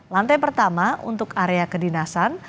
lantai pertama untuk area kedinasan